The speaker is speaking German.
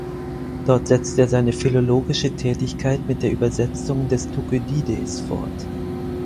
Dort setzte er seine philologische Tätigkeit mit der Übersetzung des Thukydides fort.